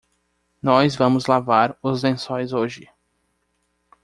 Nós vamos lavar os lençóis hoje